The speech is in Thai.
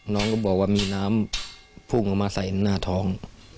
น้องก็บอกว่ามีน้ำพุ่งออกมาใส่หน้าท้อง